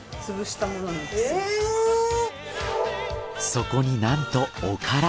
そこになんとおから。